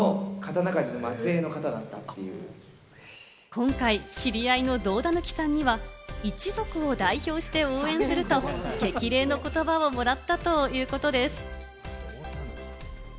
今回、知り合いの同田貫さんには、一族を代表して応援すると激励の言葉をもらったということです。